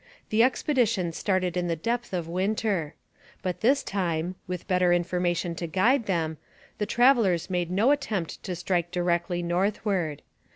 The expedition started in the depth of winter. But this time, with better information to guide them, the travellers made no attempt to strike directly northward.